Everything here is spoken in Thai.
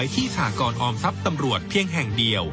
ที่สหกรออมทรัพย์ตำรวจเพียงแห่งเดียว